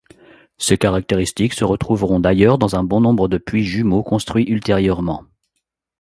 Ces caractéristiques se retrouveront d’ailleurs dans un bon nombre de puits jumeaux construits ultérieurement.